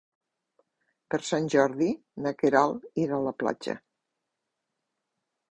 Per Sant Jordi na Queralt irà a la platja.